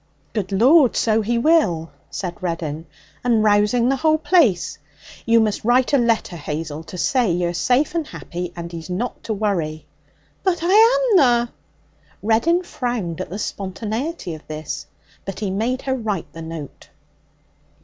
'Good Lord, so he will!' said Reddin, 'and rousing the whole place. You must write a letter, Hazel, to say you're safe and happy, and he's not to worry.' 'But I amna.' Reddin frowned at the spontaneity of this. But he made her write the note.